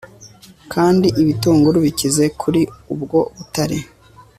kandi ibitunguru bikize kuri ubwo butare